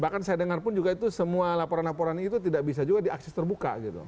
bahkan saya dengar pun juga itu semua laporan laporan itu tidak bisa juga diakses terbuka gitu